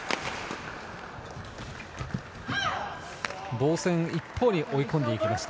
防戦一方に追い込んできました。